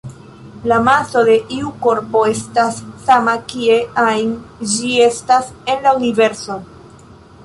La maso de iu korpo estas sama kie ajn ĝi estas en la universo.